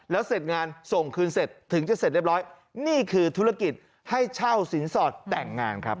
แล้วเสร็จงานส่งคืนเสร็จถึงจะเสร็จเรียบร้อยนี่คือธุรกิจให้เช่าสินสอดแต่งงานครับ